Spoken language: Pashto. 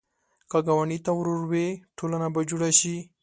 که ګاونډي ته ورور وې، ټولنه به جوړه شي